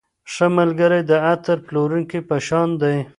ښه ملګری د عطر پلورونکي په شان دی.